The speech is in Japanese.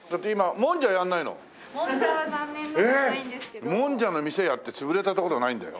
もんじゃの店やってつぶれたところないんだよ。